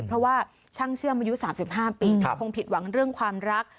เพราะว่าช่างเชื่อมอายุ๓๕ปีคงผิดหวังเรื่องความรัก